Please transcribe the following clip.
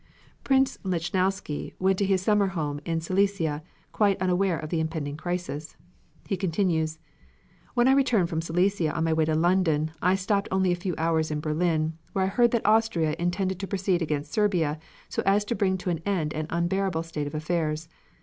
Prince Lichnowsky went to his summer home in Silesia, quite unaware of the impending crisis. He continues: When I returned from Silesia on my way to London, I stopped only a few hours in Berlin, where I heard that Austria intended to proceed against Serbia so as to bring to an end an unbearable state of affairs.